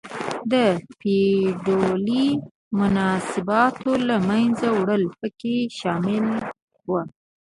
د فیوډالي مناسباتو له منځه وړل پکې شامل و.